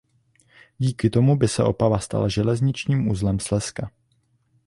Díky tomu by se Opava stala železničním uzlem Slezska.